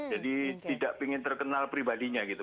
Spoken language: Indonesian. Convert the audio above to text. jadi tidak ingin terkenal pribadinya gitu